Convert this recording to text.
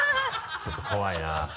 ちょっと怖いな。